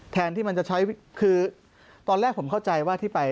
ที่มันจะใช้คือตอนแรกผมเข้าใจว่าที่ไป